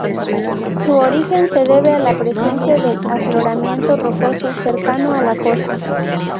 Su origen se debe a la presencia del afloramiento rocoso, cercano a la costa.